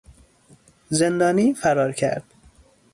زندانی فرار کرد.